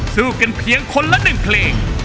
สู้กันเพียงคนละ๑เพลง